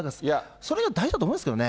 それが大事だと思うんですけどね。